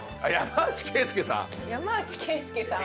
山内惠介さん。